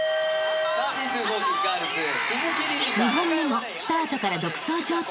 ［２本目もスタートから独走状態］